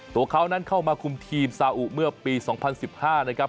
ตัวเขานั้นเข้ามาคุมทีมซาอุเมื่อปี๒๐๑๕นะครับ